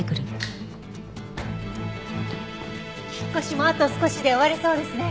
引っ越しもあと少しで終われそうですね。